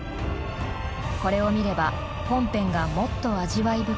これを見れば本編がもっと味わい深くなる。